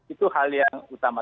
itu hal yang utama